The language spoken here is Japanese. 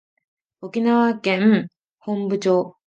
沖縄県本部町